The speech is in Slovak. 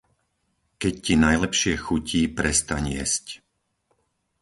Keď ti najlepšie chutí prestaň jesť.